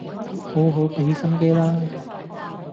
好好畀心機啦